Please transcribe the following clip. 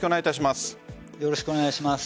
よろしくお願いします。